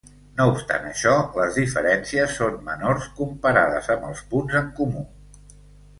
No obstant això, les diferències són menors comparades amb els punts en comú.